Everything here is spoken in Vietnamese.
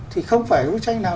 thì không phải bức tranh nào